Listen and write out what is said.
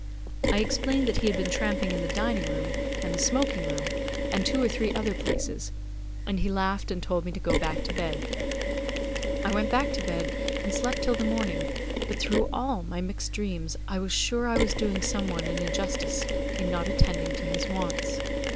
I explained that he had been tramping in the dining room and the smoking room and two or three other places, and he laughed and told me to go back to bed. I went back to bed and slept till the morning, but through all my mixed dreams I was sure I was doing some one an injustice in not attending to his wants.